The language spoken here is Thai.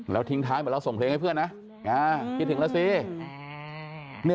แล้วทิ้งท้ายเหมือนเราส่งเพลงให้เพื่อนนะคิดถึงแล้วสิ